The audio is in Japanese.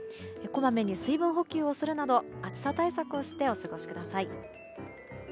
こまめに水分補給をするなど暑さ対策をしてお過ごしください。